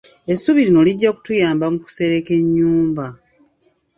Essubi lino lijja kutuyamba mu kusereka ennyumba.